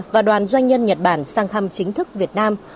và đoàn doanh nhân nhật bản sang thăm chính thức việt nam